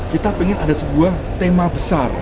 kita ingin ada sebuah tema besar